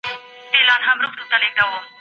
د نوښتونو له لاري سیالي زیاتیږي.